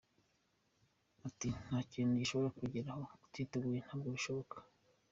Ati “Nta kintu ushobora kugeraho utateguye, ntabwo bishoboka.